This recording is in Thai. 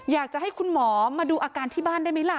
อยากจะให้คุณหมอมาดูอาการที่บ้านได้ไหมล่ะ